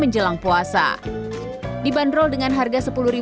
belreamg cangkangan yang bishop thai berasal dari tenant yang tidak jual makanan g estudia